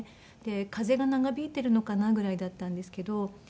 風邪が長引いてるのかなぐらいだったんですけど。